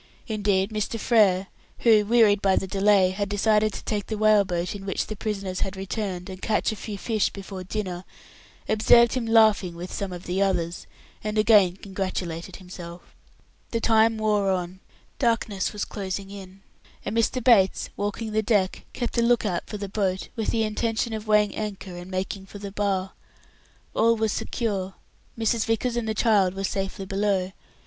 Indeed Mr. Frere, who, wearied by the delay, had decided to take the whale boat in which the prisoners had returned, and catch a few fish before dinner, observed him laughing with some of the others, and again congratulated himself. The time wore on. Darkness was closing in, and Mr. Bates, walking the deck, kept a look out for the boat, with the intention of weighing anchor and making for the Bar. All was secure. Mrs. Vickers and the child were safely below.